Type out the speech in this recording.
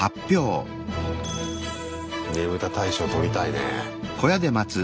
ねぶた大賞取りたいね。